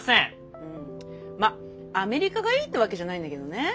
まあアメリカがいいってわけじゃないんだけどね。